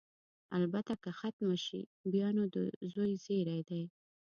البته که ختمه شي، بیا نو د زوی زېری دی.